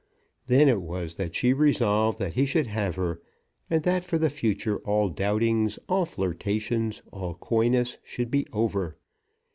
Then it was that she resolved that he should have her, and that for the future all doubtings, all flirtations, all coyness, should be over.